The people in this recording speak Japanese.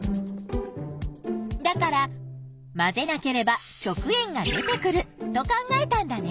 だから混ぜなければ食塩が出てくると考えたんだね。